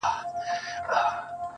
سلامونه سهار مو ګلورین,